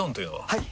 はい！